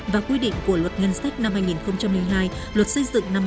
và quy định của luật ngân sách năm hai nghìn một mươi hai luật xây dựng năm hai nghìn ba